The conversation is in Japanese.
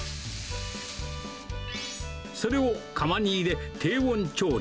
それを釜に入れ、低温調理。